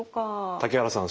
竹原さん